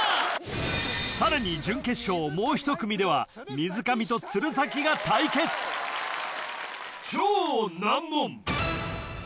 さらに準決勝もう一組では水上と鶴崎が対決超難問